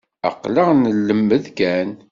Aql-aɣ nlemmed kan.